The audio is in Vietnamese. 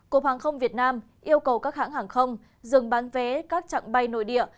cục hàng không việt nam yêu cầu các hãng hàng không dừng bán vé các trạng bay nội địa